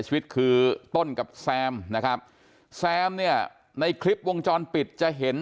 ชีวิตคือต้นกับแซมนะครับแซมเนี่ยในคลิปวงจรปิดจะเห็น